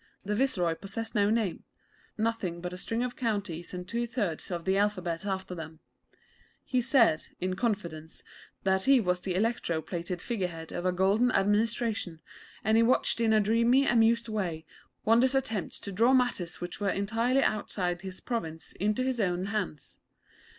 The Viceroy possessed no name nothing but a string of counties and two thirds of the alphabet after them. He said, in confidence, that he was the electro plated figurehead of a golden administration, and he watched in a dreamy, amused way Wonder's attempts to draw matters which were entirely outside his province into his own hands.